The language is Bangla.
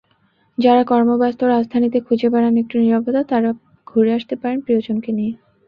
যাঁরা কর্মব্যস্ত রাজধানীতে খুঁজে বেড়ান একটু নীরবতা, তাঁরা ঘুরে আসতে পারেন প্রিয়জনকে নিয়ে।